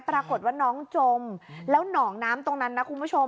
ปรากฏว่าน้องจมแล้วหนองน้ำตรงนั้นนะคุณผู้ชม